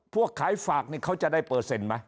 ขายฝากนี่เขาจะได้เปอร์เซ็นต์ไหม